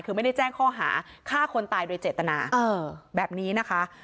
คือไม่ได้แจ้งข้อหาฆ่าคนตายโดยเจตนาแบบนี้นะคะ